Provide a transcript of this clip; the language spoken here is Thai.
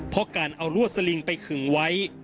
เพราะการเอาลวดสลิงไปขึงไว้